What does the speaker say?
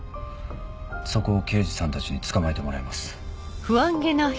そこを刑事さんたちに捕まえてもらいます。